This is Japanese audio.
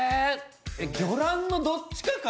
魚卵のどっちかか？